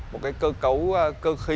một cái cơ cấu cơ khí